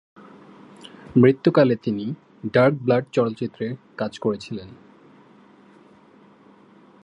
মৃত্যুকালে তিনি "dark blood" চলচ্চিত্রের কাজ করছিলেন।